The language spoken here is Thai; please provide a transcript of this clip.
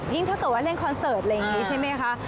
ถ้าเกิดว่าเล่นคอนเสิร์ตอะไรอย่างนี้ใช่ไหมคะ